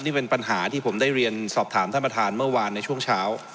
นี่เป็นปัญหาที่ผมได้เรียนสอบถามท่านประธานเมื่อวานในช่วงเช้า